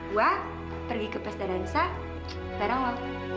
gue pergi ke pesta dansa bareng lo oke